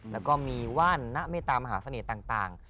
แล้วก็มีว่านณเมตามหาเสน่ห์ต่าง